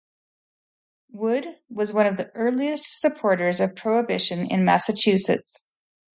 Wood was one of the earliest supporters of Prohibition in Massachusetts.